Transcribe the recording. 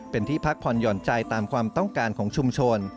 เป็นที่พักผ่อนหย่อนใจตามความต้องการของชุมชน